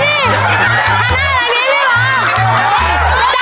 นี่มาด้านขวาง